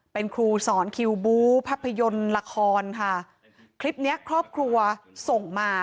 เป็นครูสอนคิวบูภาพยนตร์ละครค่ะคลิปเนี้ยครอบครัวส่งมา